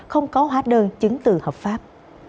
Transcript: không có hóa đơn chứng từ hợp pháp